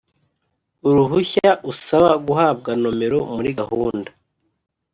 uruhushya usaba guhabwa nomero muri Gahunda